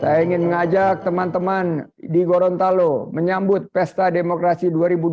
saya ingin mengajak teman teman di gorontalo menyambut pesta demokrasi dua ribu dua puluh